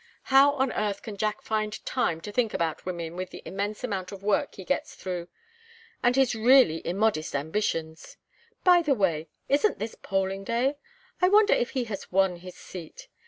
How on earth can Jack find time to think about women with the immense amount of work he gets through? and his really immodest ambitions! By the way isn't this polling day? I wonder if he has won his seat?